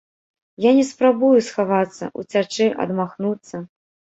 Я не спрабую схавацца, уцячы, адмахнуцца!